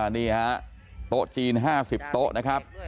นี่ฮะโต๊ะจีน๕๐โต๊ะนะครับ